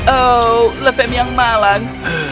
oh lefem yang malang